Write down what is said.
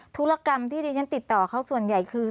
ธุรกรรมที่ดิฉันติดต่อเขาส่วนใหญ่คือ